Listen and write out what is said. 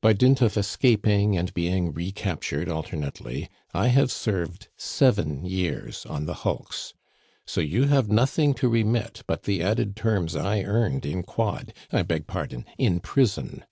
By dint of escaping and being recaptured alternately, I have served seven years on the hulks. So you have nothing to remit but the added terms I earned in quod I beg pardon, in prison.